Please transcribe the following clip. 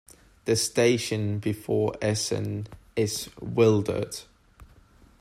The station before Essen is Wildert.